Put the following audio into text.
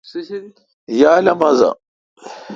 یال اؘ مزہ۔